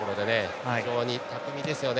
非常に巧みですよね。